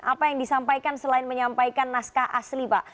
apa yang disampaikan selain menyampaikan naskah asli pak